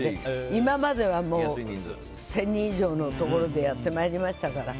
今までは、１０００人以上のところでやってまいりましたが。